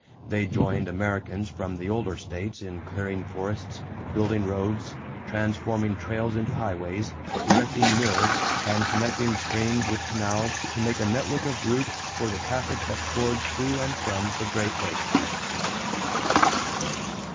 They joined Americans from the older states in clearing forests, building roads, transforming trails into highways, erecting mills, and connecting streams with canals to make a network of routes for the traffic that poured to and from the Great Lakes.